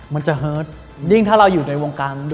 มันจะเฮิร์ตยิ่งถ้าเราอยู่ในวงการ